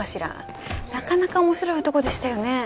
なかなか面白い男でしたよねえ。